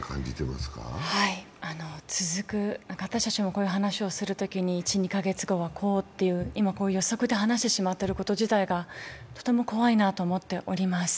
私たちもこういう話をするときに、１、２カ月後はこうだと今、予測で話してしまっていること自体がとても怖いなと思っております。